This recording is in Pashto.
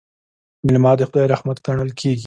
میلمه د خدای رحمت ګڼل کیږي.